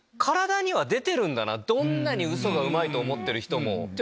どんなにウソがうまいと思ってる人も。